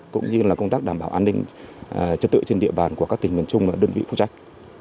cũng như là công tác đảm bảo an ninh trên địa bàn của các tỉnh miền trung và đơn vị phong trách